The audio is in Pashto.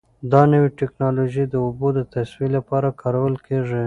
دا نوې ټیکنالوژي د اوبو د تصفیې لپاره کارول کیږي.